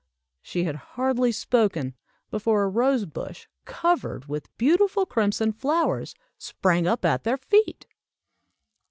She had hardly spoken, before a rose bush, covered with beautiful crimson flowers, sprang up at their feet.